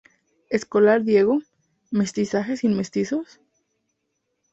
Escolar, Diego "¿Mestizaje sin mestizos?